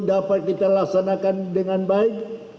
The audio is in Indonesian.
dapat kita laksanakan dengan baik